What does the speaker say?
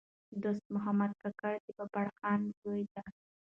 دوست محمد کاکړ د بابړخان زوی دﺉ.